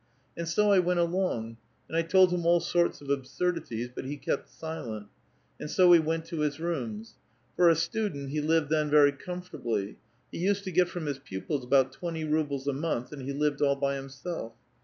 And so I went along, and I told him all sorts of absurdities, but he kept silent ; and so we went to his rooms. For a student he lived tlien veiy comfortably ; he used to get from his pupils about twenty rubles a month, and he lived all by himself.